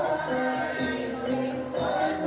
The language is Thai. การทีลงเพลงสะดวกเพื่อความชุมภูมิของชาวไทยรักไทย